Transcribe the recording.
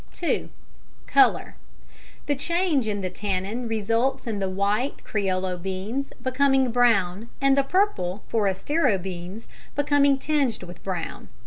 (2) Colour. The change in the tannin results in the white (criollo) beans becoming brown and the purple (forastero) beans becoming tinged with brown.